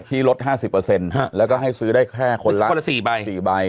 ที่ลดห้าสิบเปอร์เซ็นต์ฮะแล้วก็ให้ซื้อได้แค่คนละคนละสี่ใบ